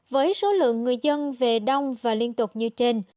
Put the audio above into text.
với số lượng người dân về đông và liên tục như trên